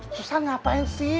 susah ngapain sih